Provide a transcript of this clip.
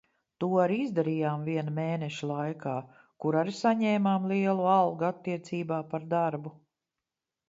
To arī izdarījām viena mēneša laikā, kur arī saņēmām lielu algu attiecībā par darbu.